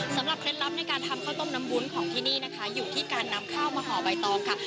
เคล็ดลับในการทำข้าวต้มน้ำวุ้นของที่นี่นะคะอยู่ที่การนำข้าวมาห่อใบตองค่ะ